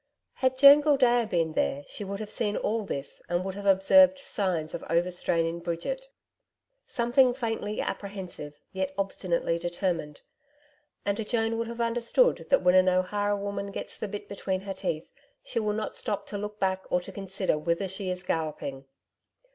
Had Joan Gildea been there she would have seen all this and would have observed signs of over strain in Bridget something faintly apprehensive yet obstinately determined. And Joan would have understood that when an O'Hara woman gets the bit between her teeth, she will not stop to look back or to consider whither she is galloping.